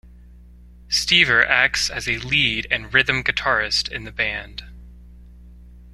Stever acts as a lead and rhythm guitarist in the band.